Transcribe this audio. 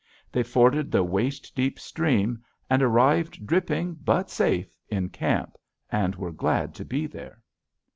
They forded the waist deep stream and arrived dripping but safe in camp, and were glad to be there!